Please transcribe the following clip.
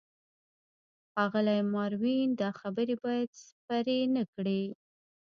ښاغلی ماروین، دا خبرې باید خپرې نه کړې.